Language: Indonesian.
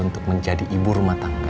untuk menjadi ibu rumah tangga